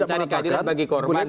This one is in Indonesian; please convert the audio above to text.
mencari kajian bagi korban